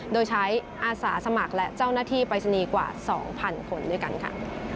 โดยใช้อาสาสมัครและเจ้าหน้าที่ปรายศนีย์กว่า๒๐๐คนด้วยกันค่ะ